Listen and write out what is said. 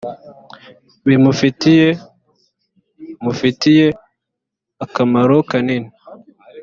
bimufitiye mufitiye akamaro kanini.